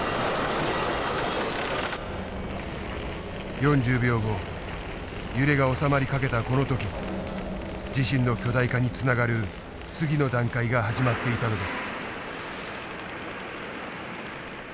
４０秒後揺れが収まりかけたこの時地震の巨大化につながる次の段階が始まっていたのです。